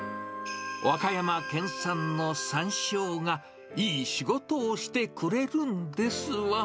和歌山県産のさんしょうがいい仕事をしてくれるんですわ。